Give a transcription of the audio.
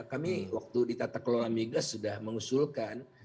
kami waktu ditata kelola migas sudah mengusulkan